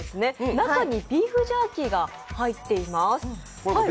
中にビーフジャーキーが入っています。